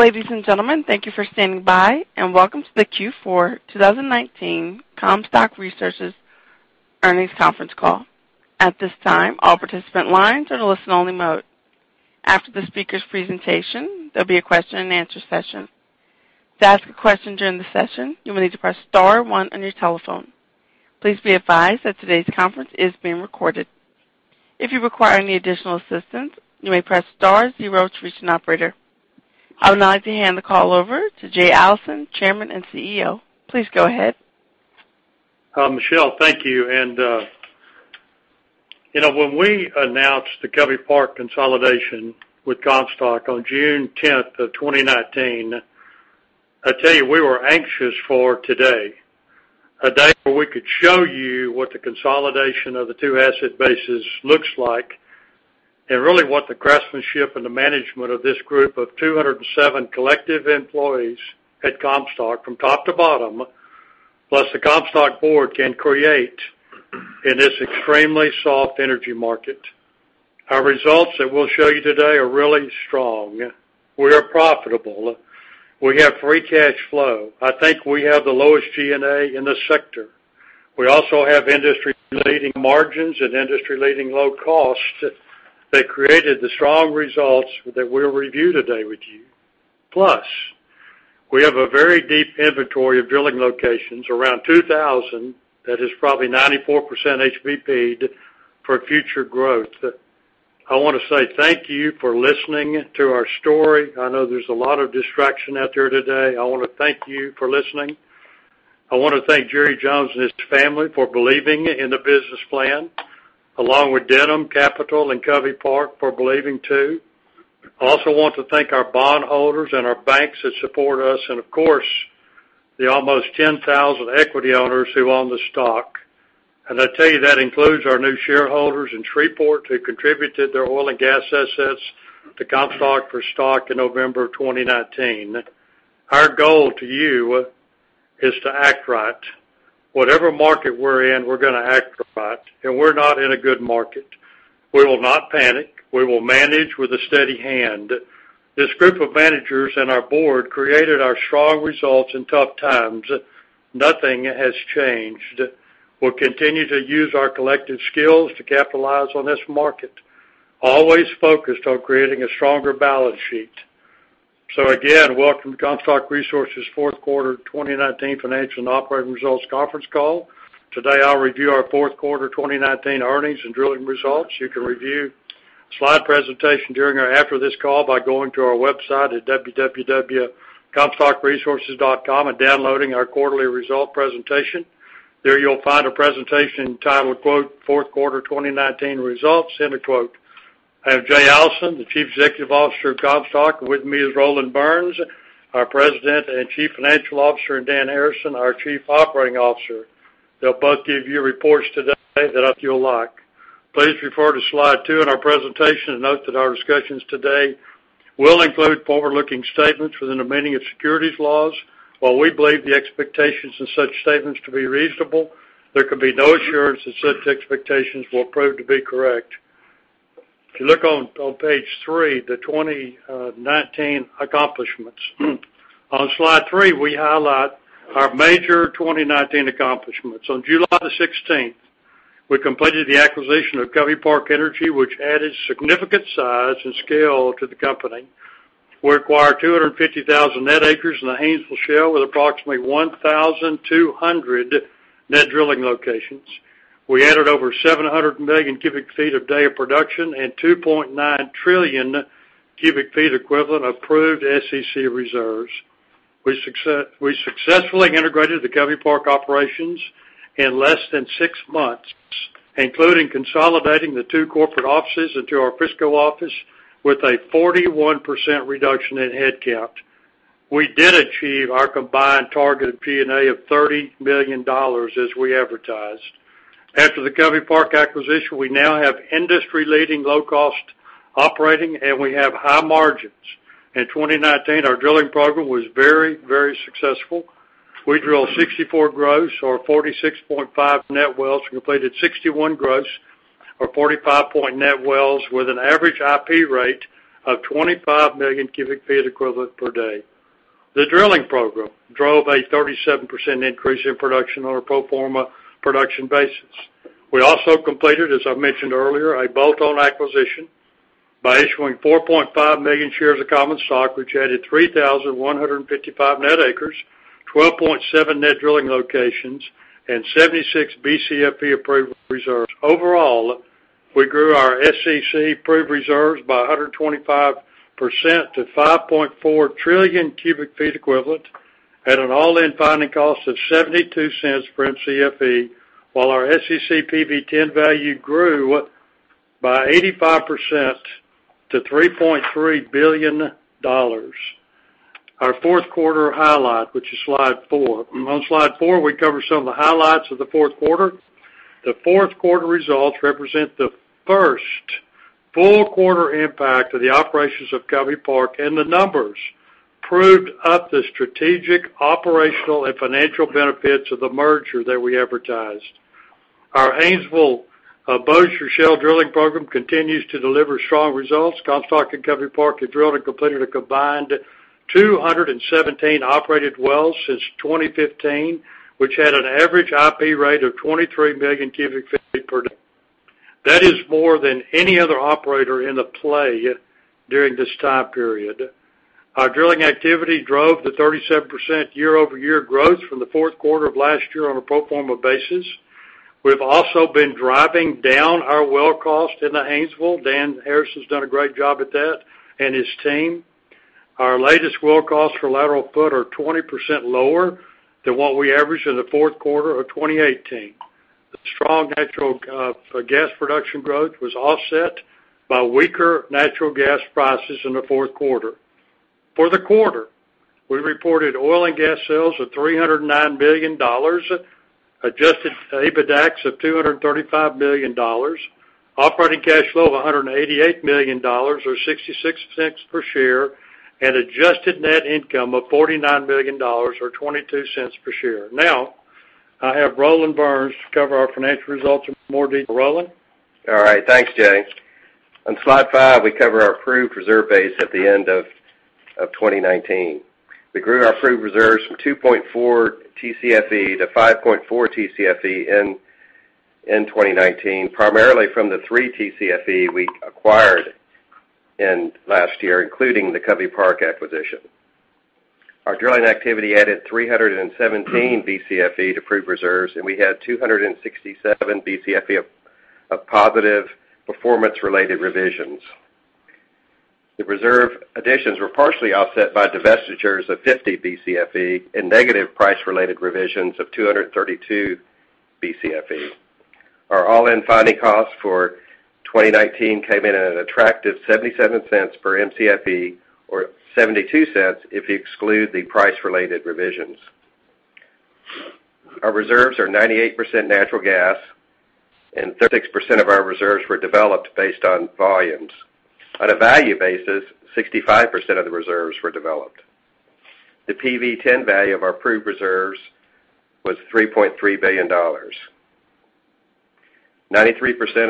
Ladies and gentlemen, thank you for standing by. Welcome to the Q4 2019 Comstock Resources Earnings Conference Call. At this time, all participant lines are in listen only mode. After the speaker's presentation, there'll be a question and answer session. To ask a question during the session, you will need to press star one on your telephone. Please be advised that today's conference is being recorded. If you require any additional assistance, you may press star zero to reach an operator. I would now like to hand the call over to Jay Allison, Chairman and CEO. Please go ahead. Michelle, thank you. When we announced the Covey Park consolidation with Comstock Resources, Inc. on June 10, 2019, I tell you, we were anxious for today. A day where we could show you what the consolidation of the two asset bases looks like, and really what the craftsmanship and the management of this group of 207 collective employees at Comstock Resources, Inc. from top to bottom, plus the Comstock Resources, Inc. board, can create in this extremely soft energy market. Our results that we'll show you today are really strong. We are profitable. We have free cash flow. I think we have the lowest G&A in the sector. We also have industry-leading margins and industry-leading low costs that created the strong results that we'll review today with you. Plus, we have a very deep inventory of drilling locations, around 2,000, that is probably 94% HBP'd for future growth. I want to say thank you for listening to our story. I know there's a lot of distraction out there today. I want to thank you for listening. I want to thank Jerry Jones and his family for believing in the business plan, along with Denham Capital and Covey Park for believing, too. Also want to thank our bond holders and our banks that support us, and of course, the almost 10,000 equity owners who own the stock. I tell you, that includes our new shareholders in Shreveport who contributed their oil and gas assets to Comstock for stock in November of 2019. Our goal to you is to act right. Whatever market we're in, we're going to act right. We're not in a good market. We will not panic. We will manage with a steady hand. This group of managers and our board created our strong results in tough times. Nothing has changed. We'll continue to use our collective skills to capitalize on this market, always focused on creating a stronger balance sheet. Again, welcome to Comstock Resources' fourth quarter 2019 financial and operating results conference call. Today, I'll review our fourth quarter 2019 earnings and drilling results. You can review the slide presentation during or after this call by going to our website at www.comstockresources.com and downloading our quarterly result presentation. There you'll find a presentation titled, quote, "Fourth Quarter 2019 Results," end of quote. I'm Jay Allison, the Chief Executive Officer of Comstock. With me is Roland Burns, our President and Chief Financial Officer, and Dan Harrison, our Chief Operating Officer. They'll both give you reports today. Please refer to slide two in our presentation, note that our discussions today will include forward-looking statements within the meaning of securities laws. While we believe the expectations of such statements to be reasonable, there can be no assurance that such expectations will prove to be correct. If you look on page three, the 2019 accomplishments. On slide three, we highlight our major 2019 accomplishments. On July the 16th, we completed the acquisition of Covey Park Energy, which added significant size and scale to the company. We acquired 250,000 net acres in the Haynesville Shale with approximately 1,200 net drilling locations. We added over 700 million cubic feet of day of production and 2.9 trillion cubic feet equivalent of proved SEC reserves. We successfully integrated the Covey Park operations in less than six months, including consolidating the two corporate offices into our Frisco office with a 41% reduction in headcount. We did achieve our combined targeted P&A of $30 million as we advertised. After the Covey Park acquisition, we now have industry-leading low cost operating, we have high margins. In 2019, our drilling program was very successful. We drilled 64 gross or 46.5 net wells, completed 61 gross or 45 point net wells with an average IP rate of 25 million cubic feet equivalent per day. The drilling program drove a 37% increase in production on a pro forma production basis. We also completed, as I mentioned earlier, a bolt-on acquisition by issuing 4.5 million shares of common stock, which added 3,155 net acres, 12.7 net drilling locations, and 76 BCFE of proved reserves. Overall, we grew our SEC proved reserves by 125% to 5.4 trillion cubic feet equivalent at an all-in finding cost of $0.72 per MCFE, while our SEC PV-10 value grew by 85% to $3.3 billion. Our fourth quarter highlight, which is slide four. On slide four, we cover some of the highlights of the fourth quarter. The fourth quarter results represent the first full quarter impact of the operations of Covey Park, the numbers proved up the strategic, operational, and financial benefits of the merger that we advertised. Our Haynesville Bossier Shale drilling program continues to deliver strong results. Comstock and Covey Park have drilled and completed a combined 217 operated wells since 2015, which had an average IP rate of 23 million cubic feet per day. That is more than any other operator in the play during this time period. Our drilling activity drove the 37% year-over-year growth from the fourth quarter of last year on a pro forma basis. We've also been driving down our well cost in the Haynesville. Dan Harrison's done a great job at that, and his team. Our latest well costs for lateral foot are 20% lower than what we averaged in the fourth quarter of 2018. The strong natural gas production growth was offset by weaker natural gas prices in the fourth quarter. For the quarter, we reported oil and gas sales of $309 million, adjusted EBITDAX of $235 million, operating cash flow of $188 million or $0.66 per share, and adjusted net income of $49 million or $0.22 per share. Now, I have Roland Burns cover our financial results in more detail. Roland? All right. Thanks, Jay. On slide five, we cover our proved reserve base at the end of 2019. We grew our proved reserves from 2.4 TCFE to 5.4 TCFE in 2019, primarily from the 3 TCFE we acquired in last year, including the Covey Park acquisition. Our drilling activity added 317 BCFE to proved reserves, and we had 267 BCFE of positive performance-related revisions. The reserve additions were partially offset by divestitures of 50 BCFE and negative price-related revisions of 232 BCFE. Our all-in finding costs for 2019 came in at an attractive $0.77 per MCFE, or $0.72 if you exclude the price-related revisions. Our reserves are 98% natural gas, and 36% of our reserves were developed based on volumes. On a value basis, 65% of the reserves were developed. The PV-10 value of our proved reserves was $3.3 billion. 93%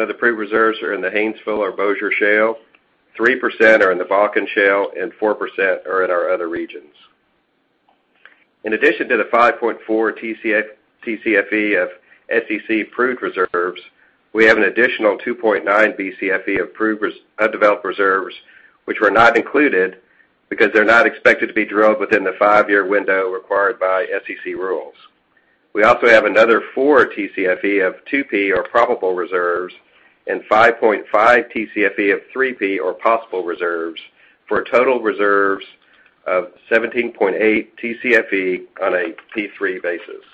of the proved reserves are in the Haynesville or Bossier Shale, 3% are in the Bakken Shale, and 4% are in our other regions. In addition to the 5.4 TCFE of SEC proved reserves, we have an additional 2.9 BCFE of developed reserves, which were not included because they're not expected to be drilled within the five-year window required by SEC rules. We also have another 4 TCFE of 2P or probable reserves and 5.5 TCFE of 3P or possible reserves for total reserves of 17.8 TCFE on a 3P basis.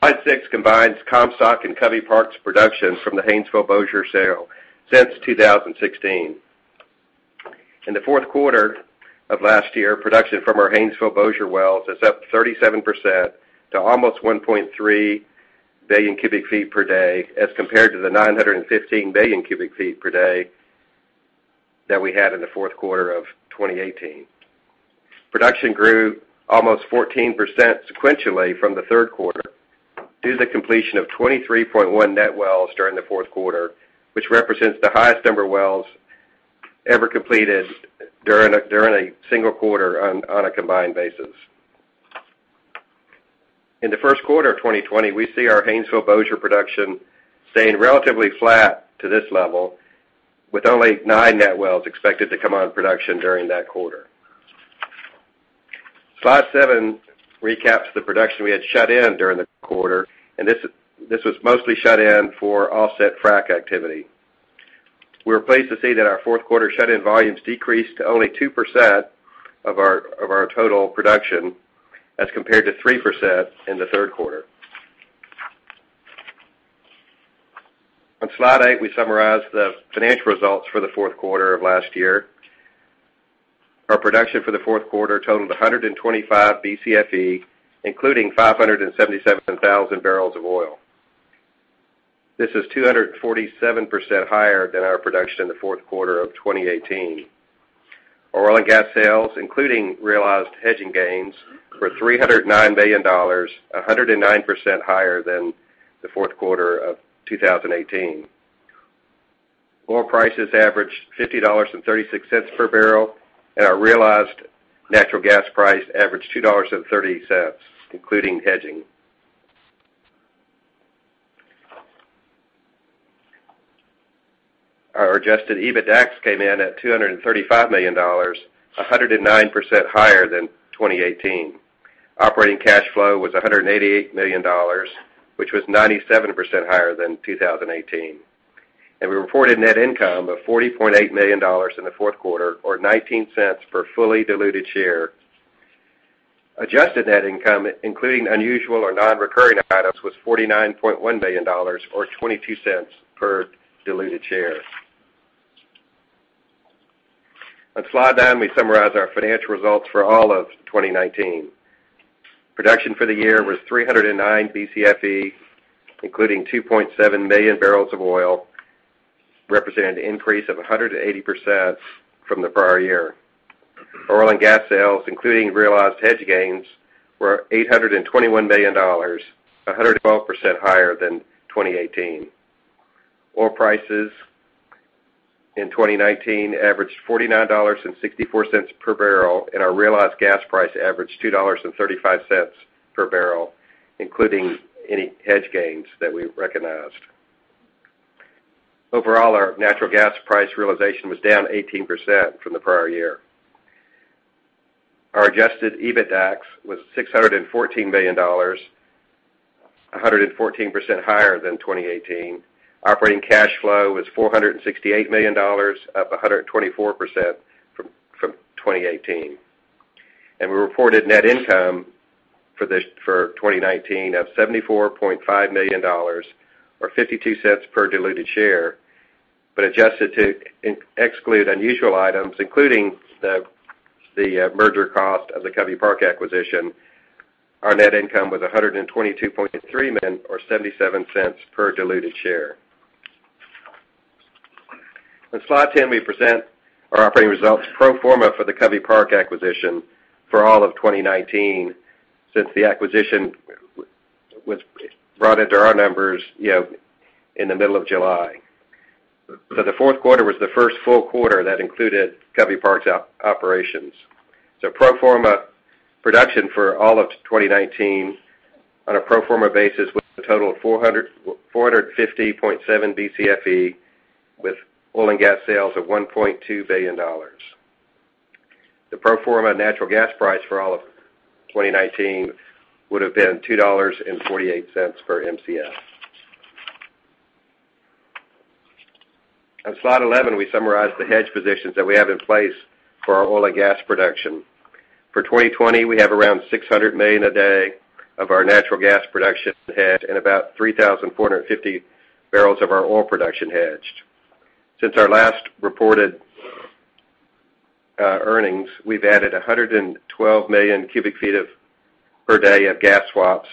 Slide six combines Comstock and Covey Park's production from the Haynesville Bossier Shale since 2016. In the fourth quarter of last year, production from our Haynesville Bossier wells is up 37% to almost 1.3 billion cubic feet per day, as compared to the 915 million cubic feet per day that we had in the fourth quarter of 2018. Production grew almost 14% sequentially from the third quarter, due to the completion of 23.1 net wells during the fourth quarter, which represents the highest number of wells ever completed during a single quarter on a combined basis. In the first quarter of 2020, we see our Haynesville Bossier production staying relatively flat to this level, with only nine net wells expected to come on production during that quarter. Slide seven recaps the production we had shut in during the quarter, and this was mostly shut in for offset frack activity. We're pleased to see that our fourth quarter shut-in volumes decreased to only 2% of our total production as compared to 3% in the third quarter. On slide eight, we summarize the financial results for the fourth quarter of last year. Our production for the fourth quarter totaled 125 BCFE, including 577,000 barrels of oil. This is 247% higher than our production in the fourth quarter of 2018. Our oil and gas sales, including realized hedging gains, were $309 million, 109% higher than the fourth quarter of 2018. Oil prices averaged $50.36 per barrel. Our realized natural gas price averaged $2.30, including hedging. Our adjusted EBITDAX came in at $235 million, 109% higher than 2018. Operating cash flow was $188 million, which was 97% higher than 2018. We reported net income of $40.8 million in the fourth quarter, or $0.19 per fully diluted share. Adjusted net income, including unusual or non-recurring items, was $49.1 million, or $0.22 per diluted share. On slide nine, we summarize our financial results for all of 2019. Production for the year was 309 BCFE, including 2.7 million barrels of oil. It represented an increase of 180% from the prior year. Oil and gas sales, including realized hedge gains, were $821 million, 112% higher than 2018. Oil prices in 2019 averaged $49.64 per barrel, and our realized gas price averaged $2.35 per barrel, including any hedge gains that we recognized. Overall, our natural gas price realization was down 18% from the prior year. Our adjusted EBITDAX was $614 million, 114% higher than 2018. Operating cash flow was $468 million, up 124% from 2018. We reported net income for 2019 of $74.5 million, or $0.52 per diluted share. Adjusted to exclude unusual items, including the merger cost of the Covey Park acquisition, our net income was $122.3 million, or $0.77 per diluted share. On slide 10, we present our operating results pro forma for the Covey Park acquisition for all of 2019, since the acquisition was brought into our numbers in the middle of July. The fourth quarter was the first full quarter that included Covey Park's operations. Pro forma production for all of 2019 on a pro forma basis was a total of 450.7 BCFE, with oil and gas sales of $1.2 billion. The pro forma natural gas price for all of 2019 would've been $2.48 per Mcf. On slide 11, we summarize the hedge positions that we have in place for our oil and gas production. For 2020, we have around 600 million a day of our natural gas production hedged and about 3,450 barrels of our oil production hedged. Since our last reported earnings, we've added 112 million cubic feet per day of gas swaps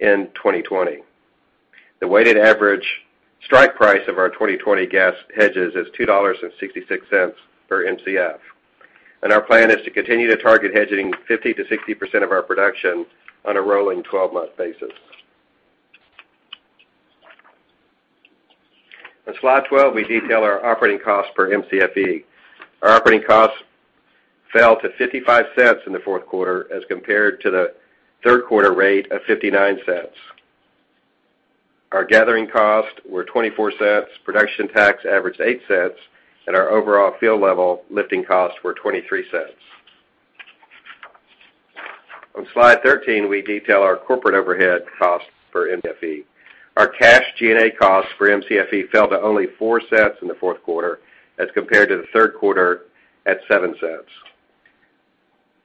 in 2020. The weighted average strike price of our 2020 gas hedges is $2.66 per Mcf. Our plan is to continue to target hedging 50%-60% of our production on a rolling 12-month basis. On slide 12, we detail our operating costs per Mcfe. Our operating costs fell to $0.55 in the fourth quarter as compared to the third quarter rate of $0.59. Our gathering costs were $0.24, production tax averaged $0.08. Our overall field-level lifting costs were $0.23. On slide 13, we detail our corporate overhead costs per Mcfe. Our cash G&A costs for MCFE fell to only $0.04 in the fourth quarter as compared to the third quarter at $0.07.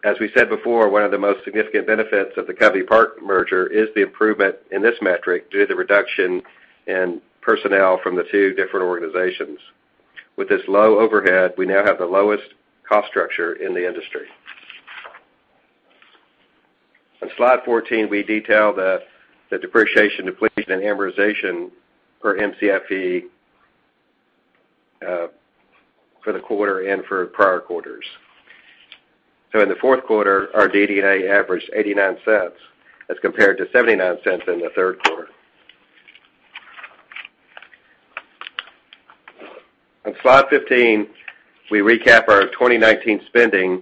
As we said before, one of the most significant benefits of the Covey Park acquisition is the improvement in this metric due to the reduction in personnel from the two different organizations. With this low overhead, we now have the lowest cost structure in the industry. On slide 14, we detail the depreciation, depletion, and amortization per MCFE for the quarter and for prior quarters. In the fourth quarter, our DD&A averaged $0.89 as compared to $0.79 in the third quarter. On slide 15, we recap our 2019 spending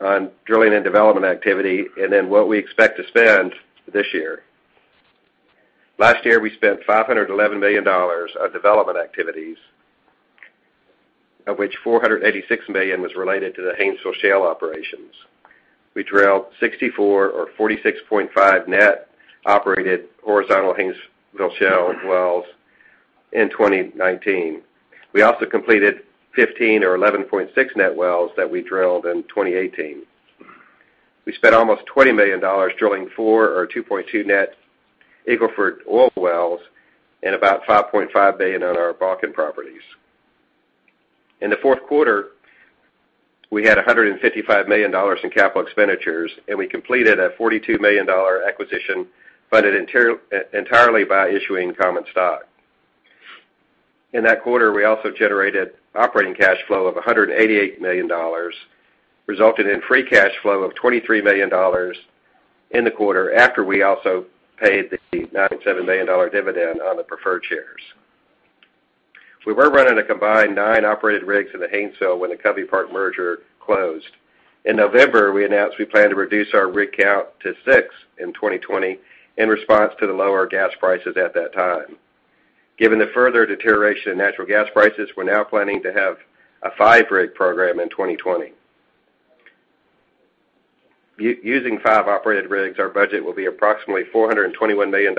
on drilling and development activity, and then what we expect to spend this year. Last year, we spent $511 million on development activities, of which $486 million was related to the Haynesville Shale operations. We drilled 64, or 46.5 net, operated horizontal Haynesville Shale wells in 2019. We also completed 15, or 11.6 net wells that we drilled in 2018. We spent almost $20 million drilling four, or 2.2 net Eagle Ford oil wells and about $5.5 million on our Bakken properties. In the fourth quarter, we had $155 million in capital expenditures, and we completed a $42 million acquisition funded entirely by issuing common stock. In that quarter, we also generated operating cash flow of $188 million, resulting in free cash flow of $23 million in the quarter after we also paid the $97 million dividend on the preferred shares. We were running a combined nine operated rigs in the Haynesville when the Covey Park acquisition closed. In November, we announced we plan to reduce our rig count to six in 2020 in response to the lower gas prices at that time. Given the further deterioration in natural gas prices, we're now planning to have a five-rig program in 2020. Using five operated rigs, our budget will be approximately $421 million,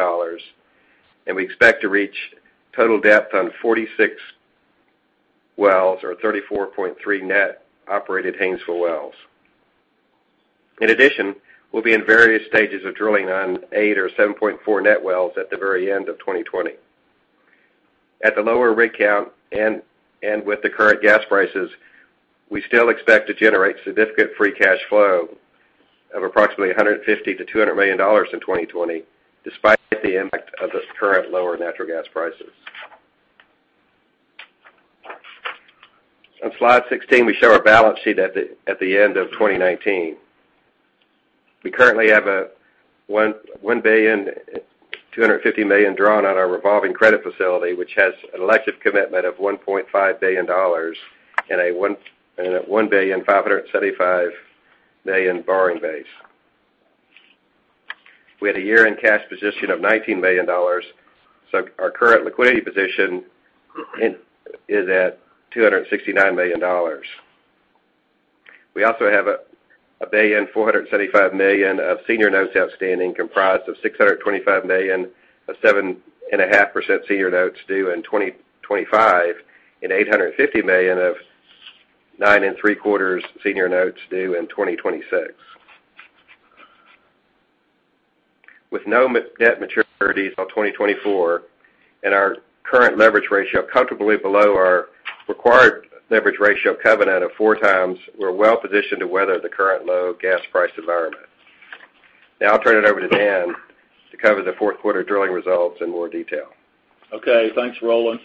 and we expect to reach total depth on 46 wells, or 34.3 net operated Haynesville wells. In addition, we'll be in various stages of drilling on eight or 7.4 net wells at the very end of 2020. At the lower rig count and with the current gas prices, we still expect to generate significant free cash flow. Of approximately $150 million-$200 million in 2020, despite the impact of the current lower natural gas prices. On slide 16, we show our balance sheet at the end of 2019. We currently have $1.25 billion drawn on our revolving credit facility, which has an elected commitment of $1.5 billion and a $1,575,000,000 borrowing base. We had a year-end cash position of $19 million. Our current liquidity position is at $269 million. We also have $1,475,000,000 of senior notes outstanding, comprised of $625 million of 7.5% senior notes due in 2025 and $850 million of 9.75% senior notes due in 2026. With no net maturities until 2024 and our current leverage ratio comfortably below our required leverage ratio covenant of 4 times, we're well-positioned to weather the current low gas price environment. Now I'll turn it over to Dan to cover the fourth quarter drilling results in more detail. Okay, thanks, Roland.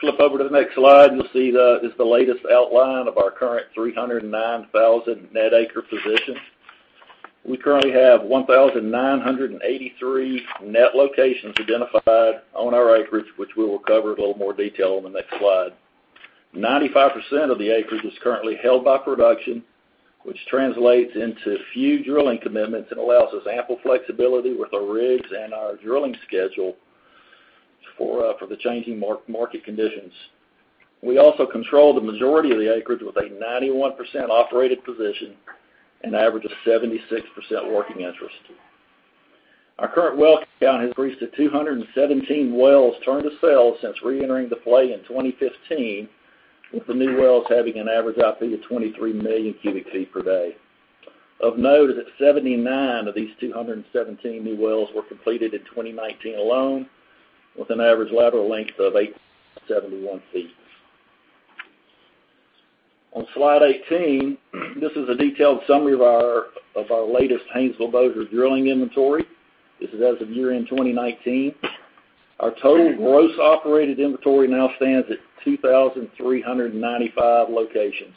Flip over to the next slide, you'll see this is the latest outline of our current 309,000 net acre position. We currently have 1,983 net locations identified on our acreage, which we will cover in a little more detail on the next slide. 95% of the acreage is currently held by production, which translates into few drilling commitments and allows us ample flexibility with our rigs and our drilling schedule for the changing market conditions. We also control the majority of the acreage with a 91% operated position and an average of 76% working interest. Our current well count has reached to 217 wells turned to sales since re-entering the play in 2015, with the new wells having an average IP of 23 million cubic feet per day. Of note is that 79 of these 217 new wells were completed in 2019 alone, with an average lateral length of 871 feet. On slide 18, this is a detailed summary of our latest Haynesville Bossier drilling inventory. This is as of year-end 2019. Our total gross operated inventory now stands at 2,395 locations.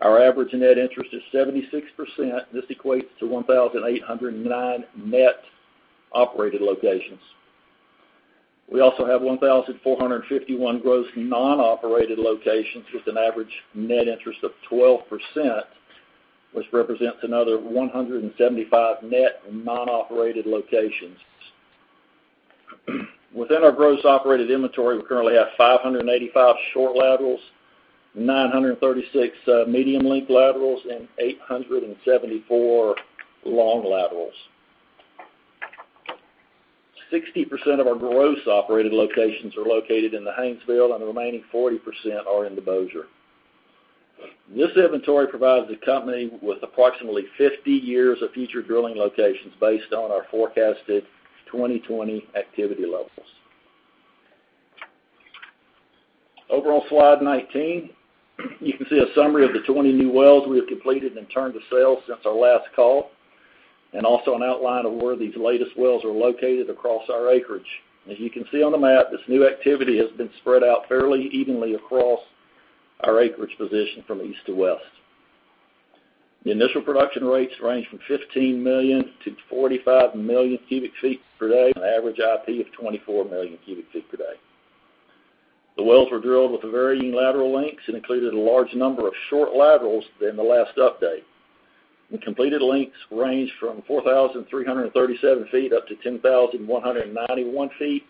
Our average net interest is 76%. This equates to 1,809 net operated locations. We also have 1,451 gross non-operated locations, with an average net interest of 12%, which represents another 175 net non-operated locations. Within our gross operated inventory, we currently have 585 short laterals, 936 medium-length laterals, and 874 long laterals. 60% of our gross operated locations are located in the Haynesville, and the remaining 40% are in the Bossier. This inventory provides the company with approximately 50 years of future drilling locations based on our forecasted 2020 activity levels. Over on slide 19, you can see a summary of the 20 new wells we have completed and turned to sales since our last call, and also an outline of where these latest wells are located across our acreage. As you can see on the map, this new activity has been spread out fairly evenly across our acreage position from east to west. The initial production rates range from 15 million to 45 million cubic feet per day, an average IP of 24 million cubic feet per day. The wells were drilled with varying lateral lengths and included a large number of short laterals than the last update. The completed lengths range from 4,337 feet up to 10,191 feet,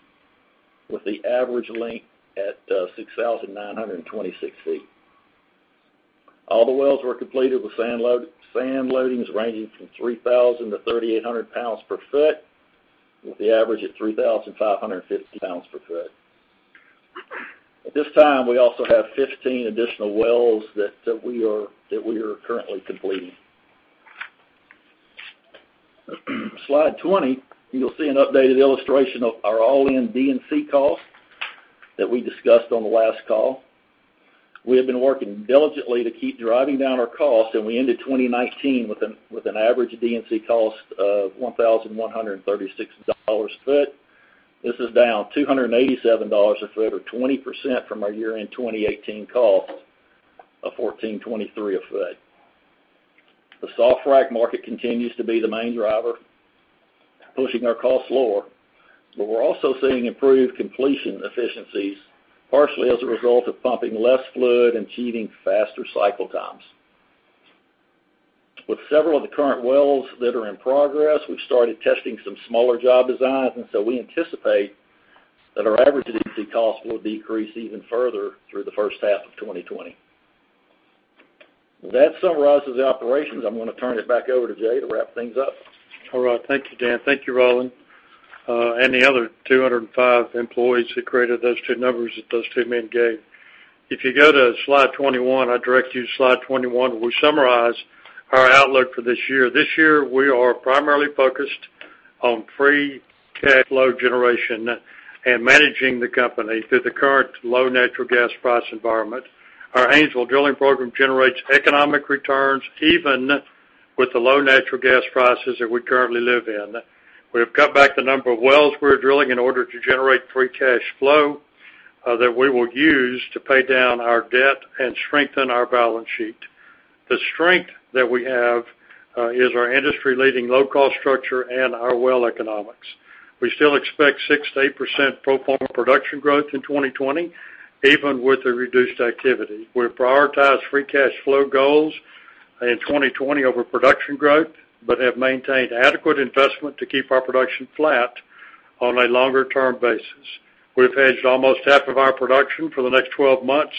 with the average length at 6,926 feet. All the wells were completed with sand loadings ranging from 3,000 to 3,800 pounds per foot, with the average at 3,550 pounds per foot. At this time, we also have 15 additional wells that we are currently completing. Slide 20, you'll see an updated illustration of our all-in D&C cost that we discussed on the last call. We have been working diligently to keep driving down our costs. We ended 2019 with an average D&C cost of $1,136 a foot. This is down $287 a foot or 20% from our year-end 2018 cost of $1,423 a foot. The soft frac market continues to be the main driver, pushing our costs lower. We're also seeing improved completion efficiencies, partially as a result of pumping less fluid and achieving faster cycle times. With several of the current wells that are in progress, we've started testing some smaller job designs. We anticipate that our average D&C cost will decrease even further through the first half of 2020. Well, that summarizes the operations. I'm going to turn it back over to Jay to wrap things up. All right. Thank you, Dan. Thank you, Roland, and the other 205 employees who created those two numbers that those two men gave. If you go to slide 21, I direct you to slide 21, where we summarize our outlook for this year. This year, we are primarily focused on free cash flow generation and managing the company through the current low natural gas price environment. Our Haynesville drilling program generates economic returns even with the low natural gas prices that we currently live in. We have cut back the number of wells we're drilling in order to generate free cash flow that we will use to pay down our debt and strengthen our balance sheet. The strength that we have is our industry-leading low-cost structure and our well economics. We still expect 6%-8% pro forma production growth in 2020, even with the reduced activity. We prioritize free cash flow goals in 2020 over production growth, but have maintained adequate investment to keep our production flat on a longer-term basis. We've hedged almost half of our production for the next 12 months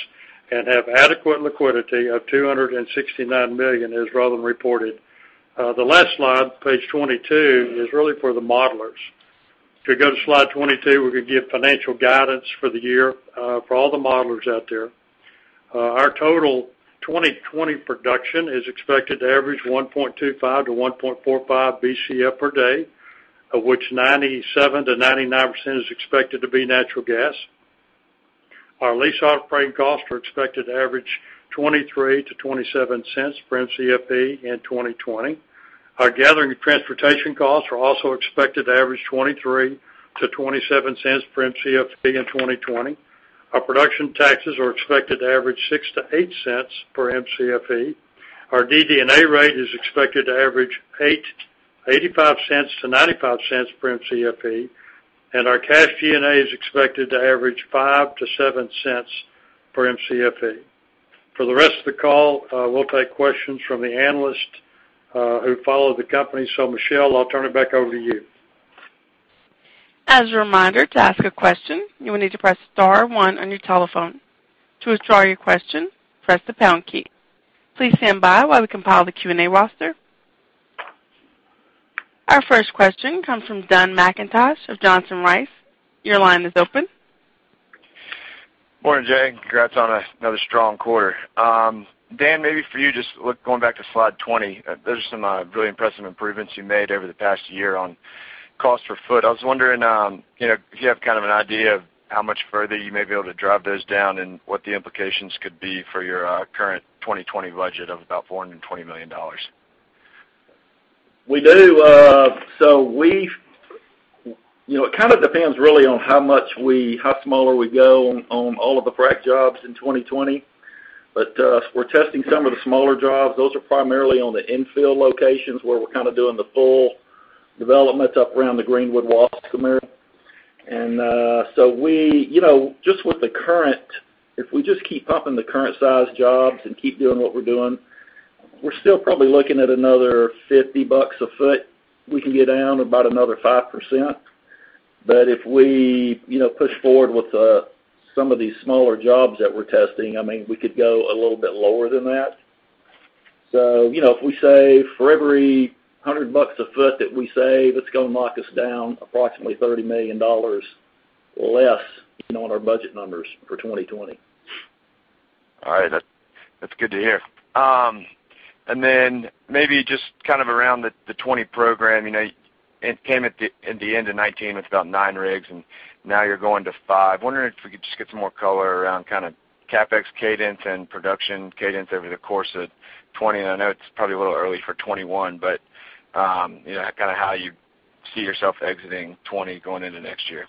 and have adequate liquidity of $269 million, as Roland reported. The last slide, page 22, is really for the modelers. If we go to slide 22, we could give financial guidance for the year for all the modelers out there. Our total 2020 production is expected to average 1.25 to 1.45 Bcf per day, of which 97%-99% is expected to be natural gas. Our lease operating costs are expected to average $0.23-$0.27 per Mcfe in 2020. Our gathering and transportation costs are also expected to average $0.23-$0.27 per Mcfe in 2020. Our production taxes are expected to average $0.06-$0.08 per Mcfe. Our DD&A rate is expected to average $0.85-$0.95 per Mcfe, and our cash G&A is expected to average $0.05-$0.07 per Mcfe. For the rest of the call, we'll take questions from the analysts who follow the company. Michelle, I'll turn it back over to you. As a reminder, to ask a question, you will need to press star one on your telephone. To withdraw your question, press the pound key. Please stand by while we compile the Q&A roster. Our first question comes from Dun McIntosh of Johnson Rice. Your line is open. Morning, Jay. Congrats on another strong quarter. Dan, maybe for you, just going back to slide 20, those are some really impressive improvements you made over the past year on cost per foot. I was wondering if you have an idea of how much further you may be able to drive those down and what the implications could be for your current 2020 budget of about $420 million. We do. It depends really on how much smaller we go on all of the frac jobs in 2020. We're testing some of the smaller jobs. Those are primarily on the infill locations where we're kind of doing the full development up around the Greenwood-Waskom somewhere. If we just keep pumping the current size jobs and keep doing what we're doing, we're still probably looking at another $50 a foot we can get down, about another 5%. If we push forward with some of these smaller jobs that we're testing, we could go a little bit lower than that. If we save for every $100 a foot that we save, it's going to knock us down approximately $30 million less on our budget numbers for 2020. All right. That's good to hear. Then maybe just around the 2020 program, it came at the end of 2019 with about nine rigs, and now you're going to five. Wondering if we could just get some more color around CapEx cadence and production cadence over the course of 2020. I know it's probably a little early for 2021, but how you see yourself exiting 2020 going into next year.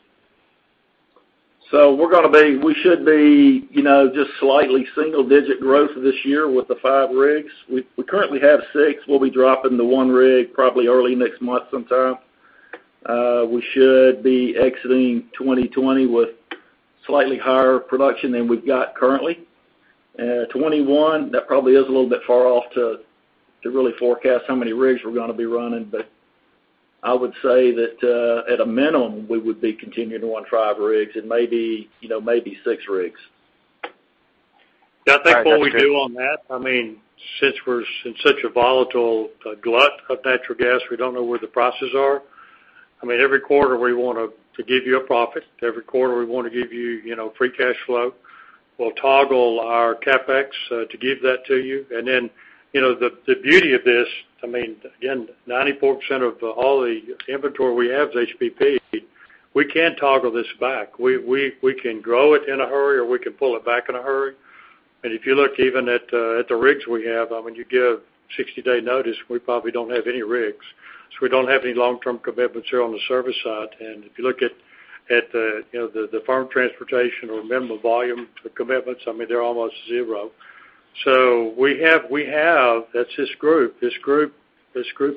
We should be just slightly single-digit growth this year with the five rigs. We currently have six. We'll be dropping to one rig probably early next month sometime. We should be exiting 2020 with slightly higher production than we've got currently. 2021, that probably is a little bit far off to really forecast how many rigs we're going to be running. I would say that at a minimum, we would be continuing to run five rigs and maybe six rigs. Yeah, I think what we do on that, since we're in such a volatile glut of natural gas, we don't know where the prices are. Every quarter, we want to give you a profit. Every quarter, we want to give you free cash flow. We'll toggle our CapEx to give that to you. The beauty of this, again, 94% of all the inventory we have is HBP. We can toggle this back. We can grow it in a hurry, or we can pull it back in a hurry. If you look even at the rigs we have, when you give 60-day notice, we probably don't have any rigs. We don't have any long-term commitments here on the service side. If you look at the firm transportation or minimum volume commitments, they're almost zero. That's this group. This group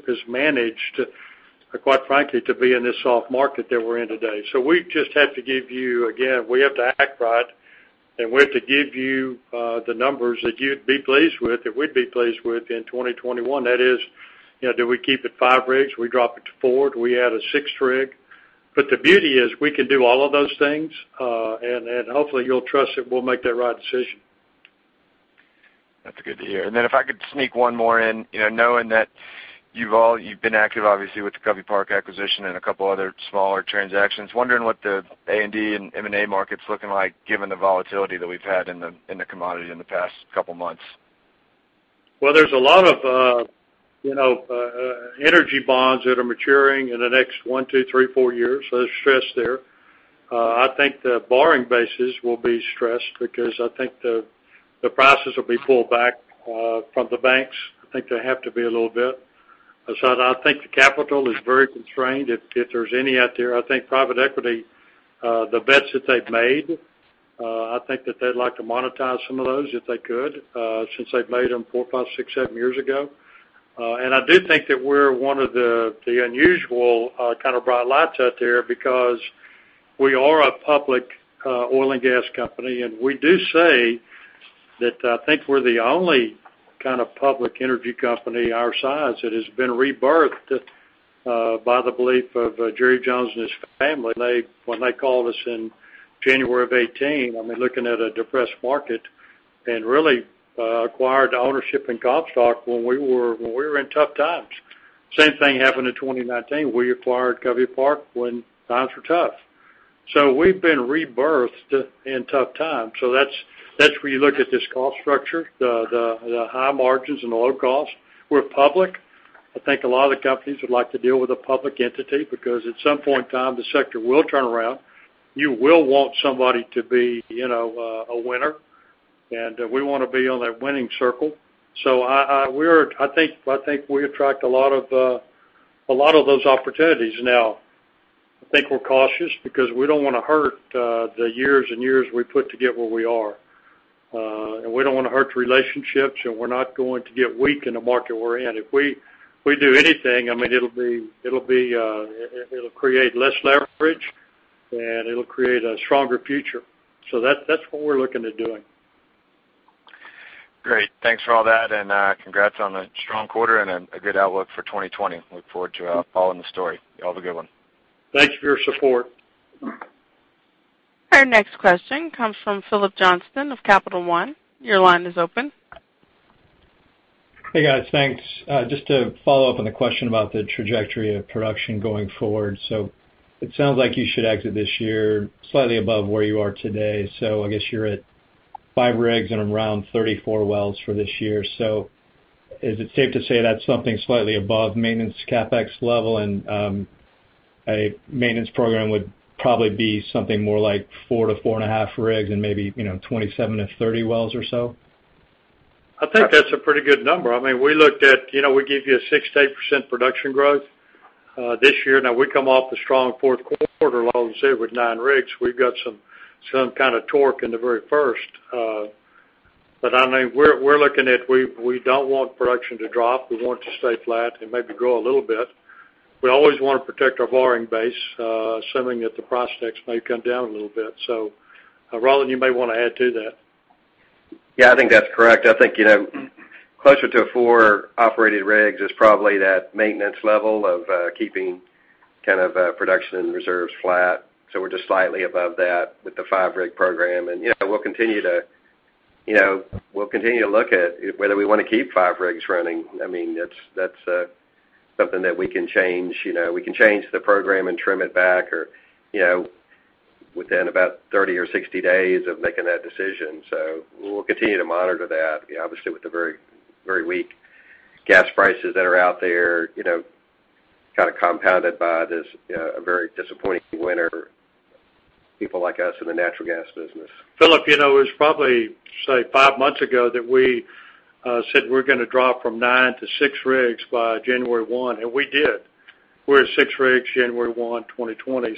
has managed, quite frankly, to be in this soft market that we're in today. We have to act right, and we have to give you the numbers that you'd be pleased with, that we'd be pleased with in 2021. That is, do we keep it five rigs? Do we drop it to four? Do we add a sixth rig? The beauty is we can do all of those things, and hopefully you'll trust that we'll make that right decision. That's good to hear. If I could sneak one more in. Knowing that you've been active, obviously, with the Covey Park acquisition and a couple other smaller transactions, wondering what the A&D and M&A market's looking like given the volatility that we've had in the commodity in the past couple of months. Well, there's a lot of energy bonds that are maturing in the next one, two, three, four years. There's stress there. I think the borrowing bases will be stressed because I think the prices will be pulled back from the banks. I think they have to be a little bit. Aside, I think the capital is very constrained, if there's any out there. I think private equity, the bets that they've made, I think that they'd like to monetize some of those if they could, since they've made them four, five, six, seven years ago. I do think that we're one of the unusual kind of bright lights out there because we are a public oil and gas company, and we do say that I think we're the only kind of public energy company our size that has been rebirthed by the belief of Jerry Jones and his family. When they called us in January of 2018, looking at a depressed market, and really acquired ownership in Comstock when we were in tough times. Same thing happened in 2019. We acquired Covey Park when times were tough. We've been rebirthed in tough times. That's where you look at this cost structure, the high margins and the low cost. We're public. I think a lot of the companies would like to deal with a public entity because at some point in time, the sector will turn around. You will want somebody to be a winner, and we want to be on that winning circle. I think we attract a lot of those opportunities now. I think we're cautious because we don't want to hurt the years and years we put to get where we are. We don't want to hurt relationships, and we're not going to get weak in the market we're in. If we do anything, it'll create less leverage, and it'll create a stronger future. That's what we're looking at doing. Great. Thanks for all that. Congrats on a strong quarter and a good outlook for 2020. Look forward to following the story. You have a good one. Thanks for your support. Our next question comes from Philip Johnston of Capital One. Your line is open. Hey, guys. Thanks. To follow up on the question about the trajectory of production going forward. It sounds like you should exit this year slightly above where you are today. I guess you're at five rigs and around 34 wells for this year. Is it safe to say that's something slightly above maintenance CapEx level, and a maintenance program would probably be something more like 4 to 4.5 rigs and maybe 27-30 wells or so? I think that's a pretty good number. We give you a 6%-8% production growth this year. Now we come off a strong fourth quarter, along with nine rigs. We've got some kind of torque in the very first. We're looking at, we don't want production to drop. We want it to stay flat and maybe grow a little bit. We always want to protect our borrowing base, assuming that the prospects may come down a little bit. Roland, you may want to add to that. Yeah, I think that's correct. I think closer to four operating rigs is probably that maintenance level of keeping production reserves flat. We're just slightly above that with the five-rig program. We'll continue to look at whether we want to keep five rigs running. That's something that we can change. We can change the program and trim it back within about 30 or 60 days of making that decision. We'll continue to monitor that. Obviously, with the very weak gas prices that are out there, kind of compounded by this very disappointing winter, people like us in the natural gas business. Philip, it was probably, say, five months ago that we said we're going to drop from nine to six rigs by January 1, and we did. We were at six rigs January 1, 2020.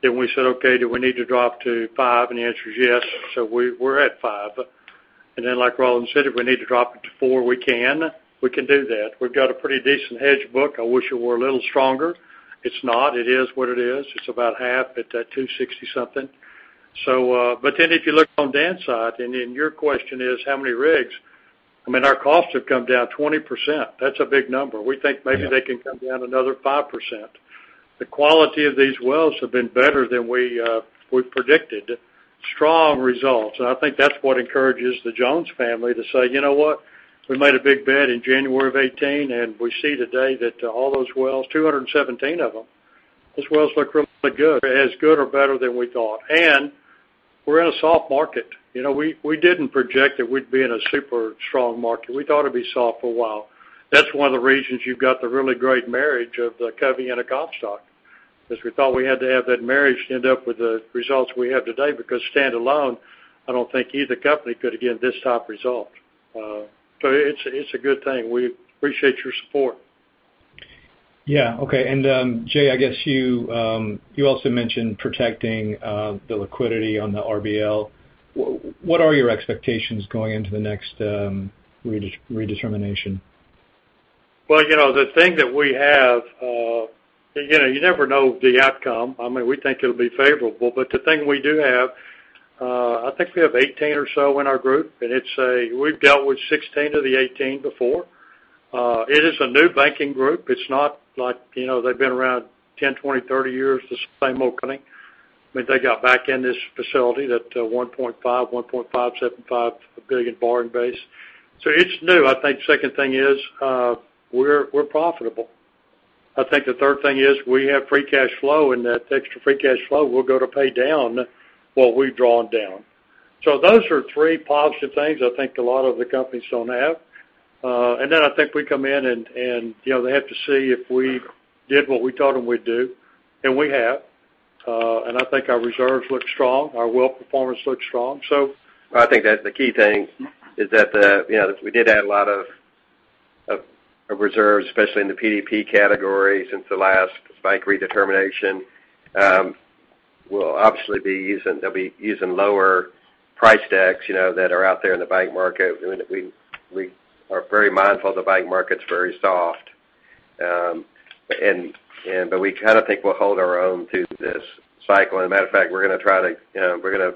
Then we said, "Okay, do we need to drop to five?" The answer is yes. We're at five. Then, like Roland said, if we need to drop it to four, we can do that. We've got a pretty decent hedge book. I wish it were a little stronger. It's not. It is what it is. It's about half at that $260-something. Then if you look on the demand side, your question is, how many rigs? Our costs have come down 20%. That's a big number. We think maybe they can come down another 5%. The quality of these wells have been better than we predicted. Strong results. I think that's what encourages the Jones family to say, "You know what? We made a big bet in January of 2018, and we see today that all those wells, 217 of them, those wells look really good, as good or better than we thought." We're in a soft market. We didn't project that we'd be in a super strong market. We thought it'd be soft for a while. That's one of the reasons you've got the really great marriage of the Covey and the Comstock, because we thought we had to have that marriage to end up with the results we have today, because standalone, I don't think either company could have given this type of result. It's a good thing. We appreciate your support. Yeah. Okay. Jay, I guess you also mentioned protecting the liquidity on the RBL. What are your expectations going into the next redetermination? The thing that we have, you never know the outcome. We think it'll be favorable, but the thing we do have, I think we have 18 or so in our group, and we've dealt with 16 of the 18 before. It is a new banking group. It's not like they've been around 10, 20, 30 years, the same old company. They got back in this facility, that $1.5 billion, $1,575,000,000 borrowing base. It's new. I think second thing is we're profitable. I think the third thing is we have free cash flow, and that extra free cash flow will go to pay down what we've drawn down. Those are three positive things I think a lot of the companies don't have. I think we come in, and they have to see if we did what we told them we'd do, and we have. I think our reserves look strong, our well performance looks strong. I think that's the key thing, is that we did add a lot of reserves, especially in the PDP category since the last bank redetermination. We'll obviously be using lower price decks that are out there in the bank market. We are very mindful the bank market's very soft. We think we'll hold our own through this cycle. Matter of fact, we're going to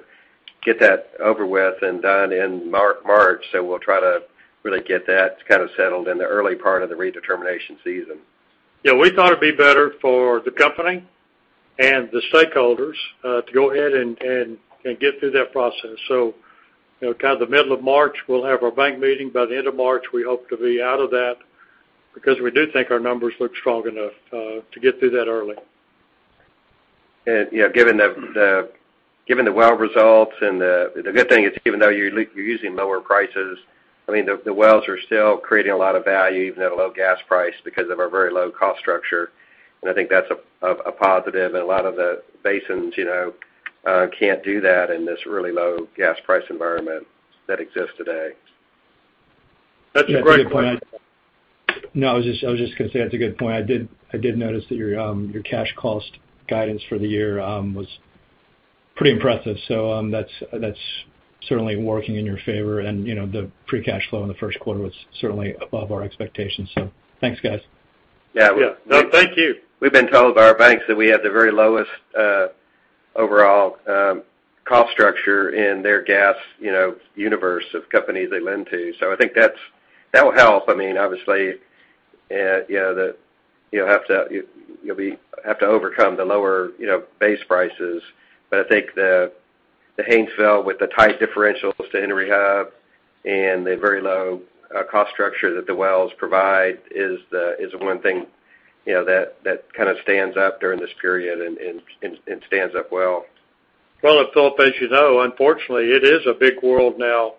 get that over with and done in March, so we'll try to really get that settled in the early part of the redetermination season. Yeah. We thought it'd be better for the company and the stakeholders to go ahead and get through that process. The middle of March, we'll have our bank meeting. By the end of March, we hope to be out of that because we do think our numbers look strong enough to get through that early. Given the well results and the good thing is, even though you're using lower prices, the wells are still creating a lot of value even at a low gas price because of our very low cost structure, and I think that's a positive. A lot of the basins can't do that in this really low gas price environment that exists today. That's a great point. No, I was just going to say that's a good point. I did notice that your cash cost guidance for the year was pretty impressive. That's certainly working in your favor, and the free cash flow in the first quarter was certainly above our expectations. Thanks, guys. Yeah. No, thank you. We've been told by our banks that we have the very lowest overall cost structure in their gas universe of companies they lend to. I think that will help. Obviously, you'll have to overcome the lower base prices. I think the Haynesville with the tight differentials to Henry Hub and the very low cost structure that the wells provide is the one thing that stands up during this period and stands up well. Well, Philip, as you know, unfortunately, it is a big world now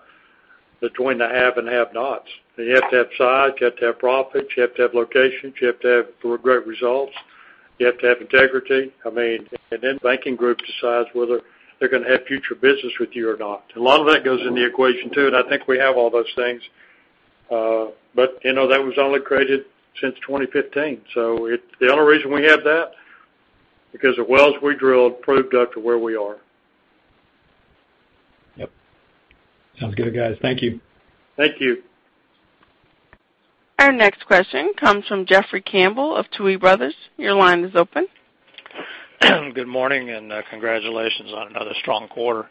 between the have and have-nots. You have to have size, you have to have profits, you have to have locations, you have to have great results, you have to have integrity. Then banking group decides whether they're going to have future business with you or not. A lot of that goes into the equation, too, and I think we have all those things. That was only created since 2015, so the only reason we have that, because the wells we drilled proved up to where we are. Yep. Sounds good, guys. Thank you. Thank you. Our next question comes from Jeffrey Campbell of Tuohy Brothers. Your line is open. Good morning, and congratulations on another strong quarter.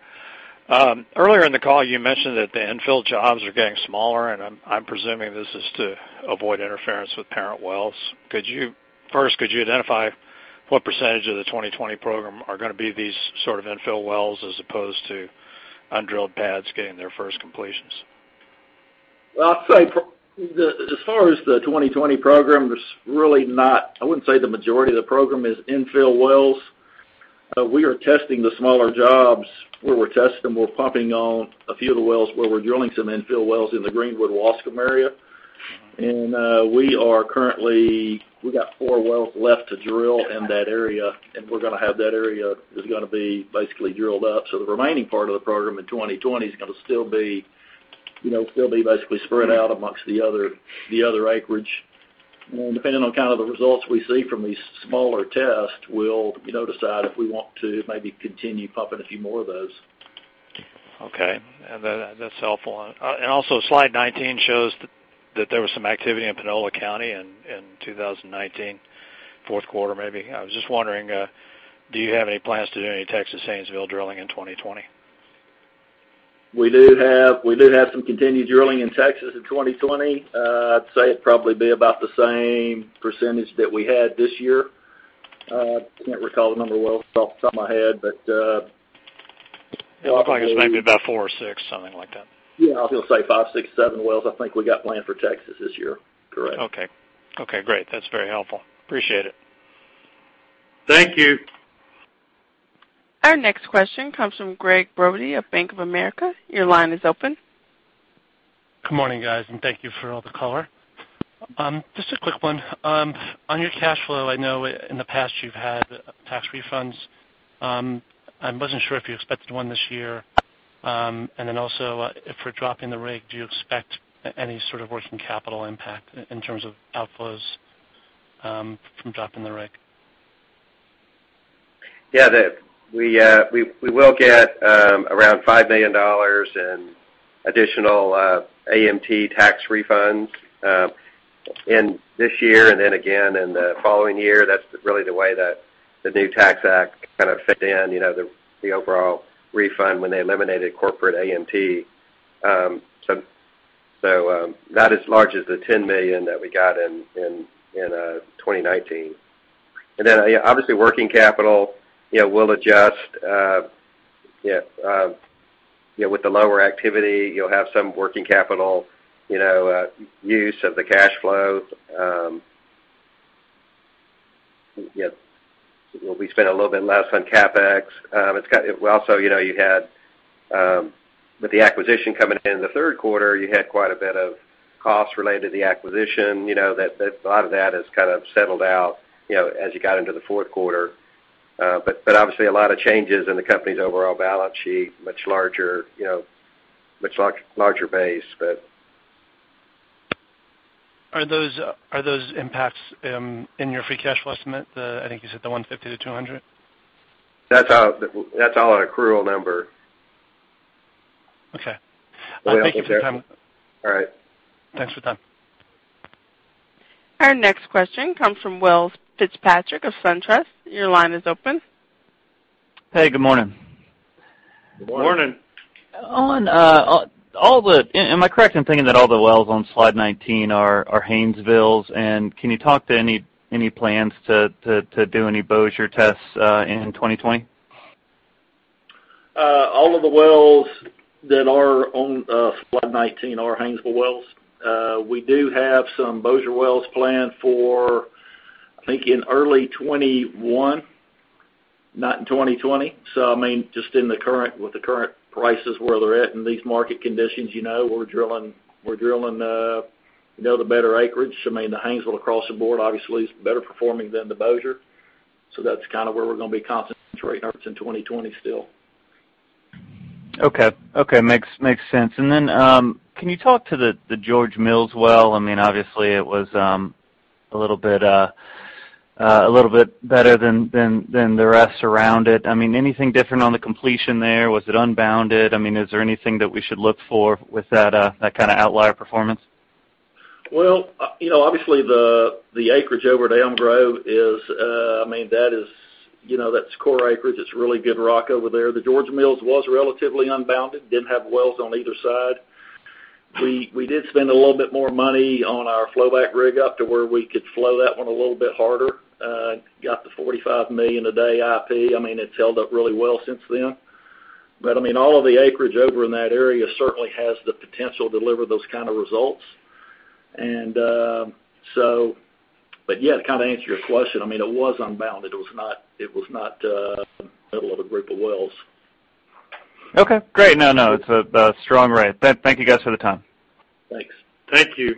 Earlier in the call, you mentioned that the infill jobs are getting smaller, and I'm presuming this is to avoid interference with parent wells. First, could you identify what percentage of the 2020 program are going to be these sort of infill wells as opposed to undrilled pads getting their first completions? Well, I'd say as far as the 2020 program, I wouldn't say the majority of the program is infill wells. We are testing the smaller jobs where we're testing, we're pumping on a few of the wells where we're drilling some infill wells in the Greenwood-Waskom area. We are currently-- we got four wells left to drill in that area, and we're going to have that area is going to be basically drilled up. The remaining part of the program in 2020 is going to still be basically spread out amongst the other acreage. Depending on the results we see from these smaller tests, we'll decide if we want to maybe continue pumping a few more of those. Okay. That's helpful. Also, slide 19 shows that there was some activity in Panola County in 2019, fourth quarter maybe. I was just wondering, do you have any plans to do any Texas Haynesville drilling in 2020? We do have some continued drilling in Texas in 2020. I'd say it'd probably be about the same percentage that we had this year. I can't recall the number of wells off the top of my head. It looked like it was maybe about four or six, something like that. Yeah. I was going to say five, six, seven wells I think we got planned for Texas this year. Correct. Okay. Okay, great. That's very helpful. Appreciate it. Thank you. Our next question comes from Gregg Brody of Bank of America. Your line is open. Good morning, guys, and thank you for all the color. Just a quick one. On your cash flow, I know in the past you've had tax refunds. I wasn't sure if you expected one this year. Also, if we're dropping the rig, do you expect any sort of working capital impact in terms of outflows from dropping the rig? Yeah. We will get around $5 million in additional AMT tax refunds in this year and then again in the following year. That's really the way the new tax act fit in, the overall refund when they eliminated corporate AMT. Not as large as the $10 million that we got in 2019. Obviously working capital will adjust. With the lower activity, you'll have some working capital use of the cash flow. We spent a little bit less on CapEx. With the acquisition coming in the third quarter, you had quite a bit of costs related to the acquisition. A lot of that has settled out as you got into the fourth quarter. Obviously a lot of changes in the company's overall balance sheet, much larger base. Are those impacts in your free cash flow estimate? I think you said the $150-$200. That's all an accrual number. Okay. Thank you for the time. All right. Thanks for the time. Our next question comes from Welles Fitzpatrick of SunTrust. Your line is open. Hey, good morning. Good morning. Am I correct in thinking that all the wells on slide 19 are Haynesville? Can you talk to any plans to do any Bossier tests in 2020? All of the wells that are on slide 19 are Haynesville wells. We do have some Bossier wells planned for, I think, in early 2021, not in 2020. With the current prices where they're at in these market conditions, we're drilling the better acreage. The Haynesville across the board obviously is better performing than the Bossier. That's where we're going to be concentrating our efforts in 2020 still. Okay. Makes sense. Can you talk to the George Mills well? Obviously it was a little bit better than the rest around it. Anything different on the completion there? Was it unbounded? Is there anything that we should look for with that kind of outlier performance? Well, obviously the acreage over at Elm Grove, that's core acreage. It's really good rock over there. The George Mills was relatively unbounded, didn't have wells on either side. We did spend a little bit more money on our flowback rig up to where we could flow that one a little bit harder. Got the 45 million a day IP. It's held up really well since then. All of the acreage over in that area certainly has the potential to deliver those kind of results. To answer your question, it was unbounded. It was not in the middle of a group of wells. Okay, great. No, it's a strong rate. Thank you guys for the time. Thanks. Thank you.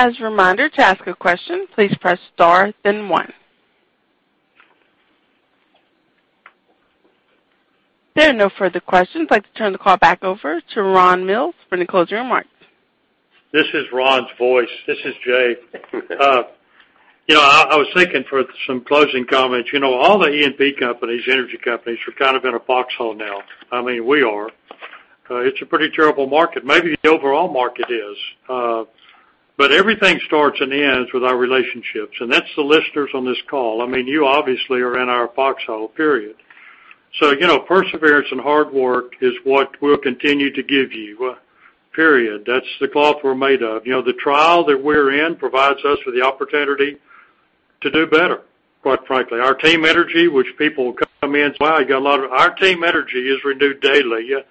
As a reminder, to ask a question, please press star, then one. There are no further questions. I'd like to turn the call back over to Ron Mills for any closing remarks. This is Ron's voice. This is Jay. I was thinking for some closing comments. All the E&P companies, energy companies, are in a foxhole now. We are. It's a pretty terrible market. Maybe the overall market is. Everything starts and ends with our relationships, and that's the listeners on this call. You obviously are in our foxhole, period. Perseverance and hard work is what we'll continue to give you, period. That's the cloth we're made of. The trial that we're in provides us with the opportunity to do better, quite frankly. Our team energy is renewed daily,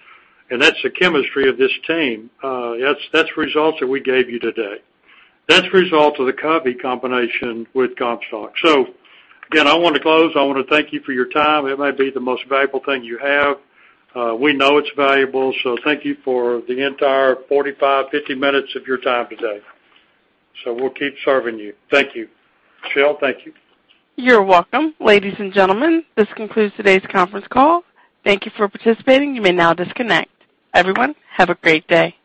and that's the chemistry of this team. That's the results that we gave you today. That's the result of the Covey Park combination with Comstock. Again, I want to close. I want to thank you for your time. It may be the most valuable thing you have. We know it's valuable. Thank you for the entire 45, 50 minutes of your time today. We'll keep serving you. Thank you. Michelle, thank you. You're welcome. Ladies and gentlemen, this concludes today's conference call. Thank you for participating. You may now disconnect. Everyone, have a great day.